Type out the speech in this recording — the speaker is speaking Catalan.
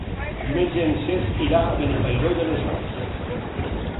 Diumenge en Cesc irà a Benifairó de les Valls.